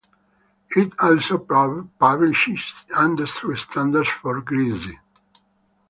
It also publishes industry standards for greases.